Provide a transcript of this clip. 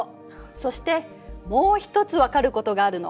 そしてもう一つ分かることがあるの。